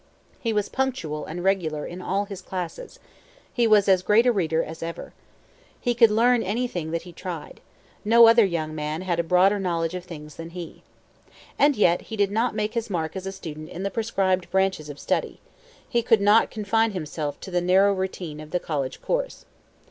He was punctual and regular in all his classes. He was as great a reader as ever. He could learn anything that he tried. No other young man had a broader knowledge of things than he. And yet he did not make his mark as a student in the prescribed branches of study. He could not confine himself to the narrow routine of the college course.